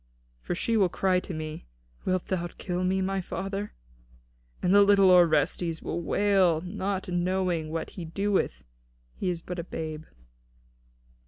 For she will cry to me, 'Wilt thou kill me, my father?' And the little Orestes will wail, not knowing what he doeth, seeing he is but a babe."